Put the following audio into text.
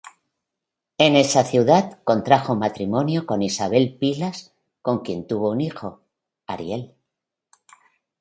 En esa ciudad contrajo matrimonio con Isabel Pilas con quien tuvo un hijo: Ariel.